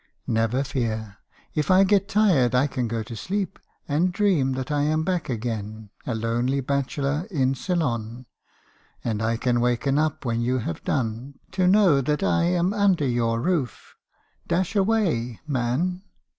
" Never fear. If I get tired , I can go to sleep , and dream that I am back again , a lonely bachelor, in Ceylon ; and I can waken up when you have done , to know that I am under your roof. Dash away, man!